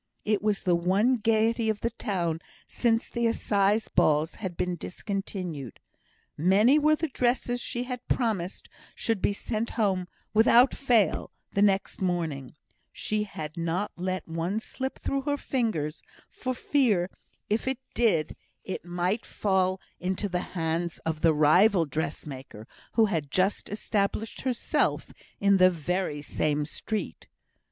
It was the one gaiety of the town since the assize balls had been discontinued. Many were the dresses she had promised should be sent home "without fail" the next morning; she had not let one slip through her fingers, for fear, if it did, it might fall into the hands of the rival dressmaker, who had just established herself in the very same street.